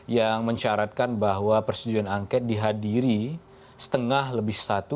yang mensyaratkan bahwa persetujuan angket dihadiri setengah lebih satu